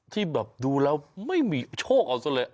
ที่แบบดูแล้วไม่มีโชคเอาซะเลย